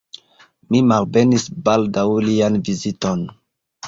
Mi malbenis baldaŭ lian viziton.